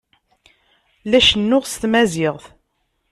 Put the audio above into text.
La cennuɣ s tmaziɣt.